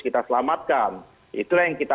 kita selamatkan itulah yang kita